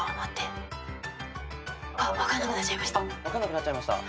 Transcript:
分かんなくなっちゃいました？